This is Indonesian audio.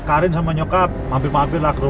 ya ini remnya plung rad